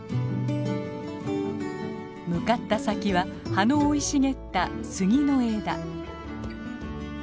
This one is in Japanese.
向かった先は葉の生い茂ったスギの枝。